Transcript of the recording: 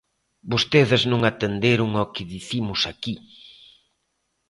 Vostedes non atenderon ao que dicimos aquí.